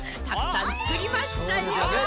たくさんつくりましたよ。